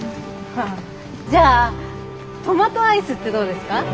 じゃあトマトアイスってどうですか？